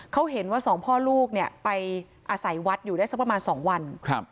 เขาเห็นว่าสองพ่อลูกเนี่ยไปอาศัยวัดอยู่ได้สักประมาณ๒วัน